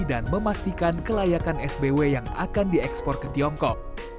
dan memastikan kelayakan sbw yang akan diekspor ke tiongkok